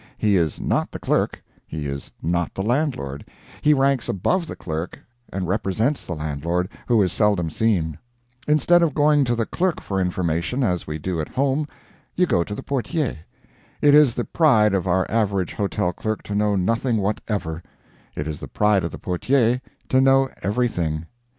He is not the clerk, he is not the landlord; he ranks above the clerk, and represents the landlord, who is seldom seen. Instead of going to the clerk for information, as we do at home, you go to the portier. It is the pride of our average hotel clerk to know nothing whatever; it is the pride of the portier to know everything.